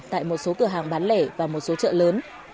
tại một số cửa hàng bán lẻ và một số chợ lớn